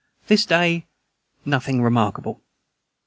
This day nothing remarkable.